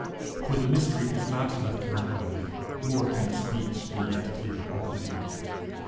For the mystery is not left behind, nor can the speech be yet clear unto men.